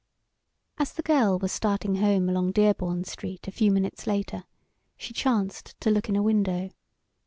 As the girl was starting home along Dearborn Street a few minutes later, she chanced to look in a window.